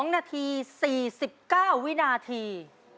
๒นาที๔๙วินาที